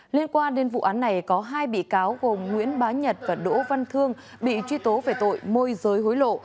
liên quan đến vụ án này có hai bị cáo gồm nguyễn bá nhật và đỗ văn thương bị truy tố về tội môi giới hối lộ